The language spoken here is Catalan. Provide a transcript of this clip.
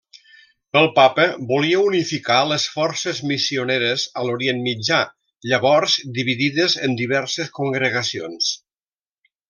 El Papa volia unificar les forces missioneres a l'Orient Mitjà, llavors dividides en diverses congregacions.